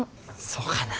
そうかな。